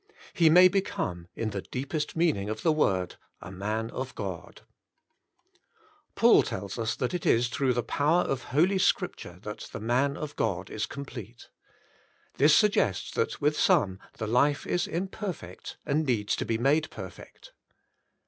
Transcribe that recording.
he may become, in the deepest meaning of the word, A Man of God ! Paul tells us that it is through the power of /Holy Scripture that "the man of God is com plete." This suggests that with some the life is imperfect, and needs to be made perfect.